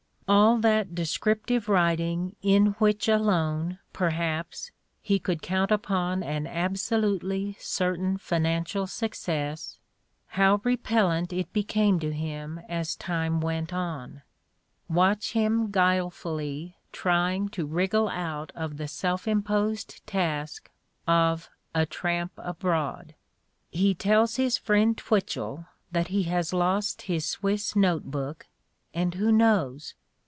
AU that descriptive writing in which alone, perhaps, he could count upon an absolutely certain fijianeial suc cess — ^how repellant it became to him as time went on ! "Watch him guilefully trying to wriggle out of the self imposed task of "A Tramp Abroad." He tells his friend Twitchell that he has lost his Swiss note book, and, who knows?